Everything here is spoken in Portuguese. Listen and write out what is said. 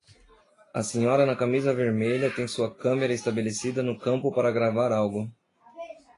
A senhora na camisa vermelha tem sua câmera estabelecida no campo para gravar algo.